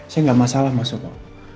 saya gak masalah masuk dong